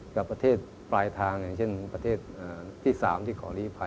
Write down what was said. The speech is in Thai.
กับประเทศปลายทางอย่างเช่นประเทศที่๓ที่ขอลีภัย